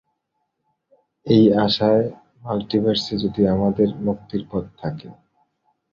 এই আশায়, মাল্টিভার্সে যদি আমাদের মুক্তির পথ থেকে থাকে।